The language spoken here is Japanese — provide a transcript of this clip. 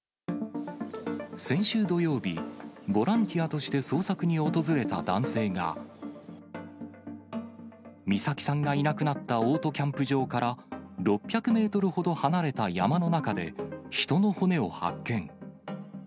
先週土曜日、ボランティアとして捜索に訪れた男性が、美咲さんがいなくなったオートキャンプ場から、６００メートルほど離れた山の中で、人の骨を発見。